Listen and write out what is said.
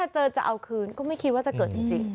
เจอจะเอาคืนก็ไม่คิดว่าจะเกิดจริง